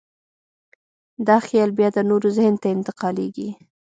دا خیال بیا د نورو ذهن ته انتقالېږي.